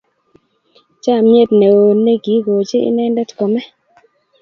Chamnyet ne o nigikochi inendet kome